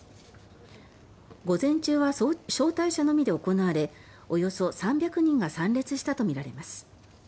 午前中は招待者のみで行われおよそ３００人が参列したとみられます。